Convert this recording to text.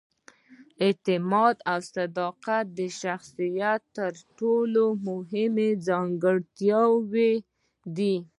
اعتماد او صداقت د شخصیت تر ټولو مهمې ځانګړتیاوې دي.